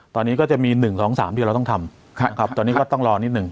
ตอนนี้ก็จะมี๑๒๓ที่เราต้องทำตอนนี้ก็ต้องรอนิดหนึ่ง